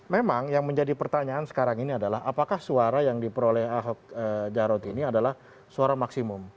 memang yang menjadi pertanyaan sekarang ini adalah apakah suara yang diperoleh ahok jarot ini adalah suara maksimum